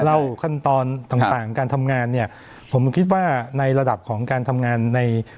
เล่าขั้นตอนต่างต่างการทำงานเนี่ยผมคิดว่าในระดับของการทำงานใน